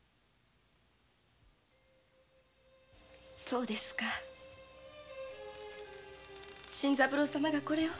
そうですか新三郎様がこれを！